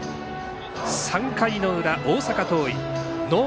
３回の裏、大阪桐蔭。